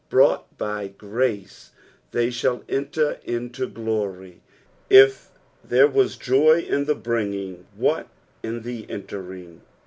Brought by grace, they shall enler into glory. If there was joy in the bringing, what m the entering?